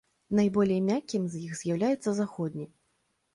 Найболей мяккім з іх з'яўляецца заходні.